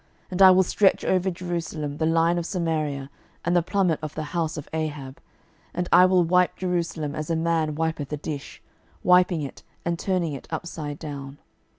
12:021:013 And I will stretch over Jerusalem the line of Samaria, and the plummet of the house of Ahab: and I will wipe Jerusalem as a man wipeth a dish, wiping it, and turning it upside down.